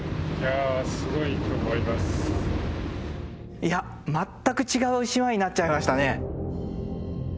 いや全く違う島になっちゃいましたね。